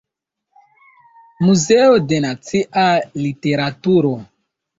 Muzeo de Nacia Literaturo.